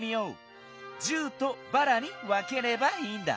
１０と「ばら」にわければいいんだ。